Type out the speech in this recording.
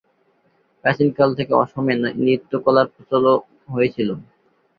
প্রাচীন কাল থেকে অসমে নৃত্য-কলার প্রচলন হয়েছিল।